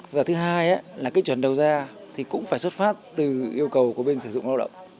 và thứ hai là cái chuẩn đầu ra thì cũng phải xuất phát từ yêu cầu của bên sử dụng lao động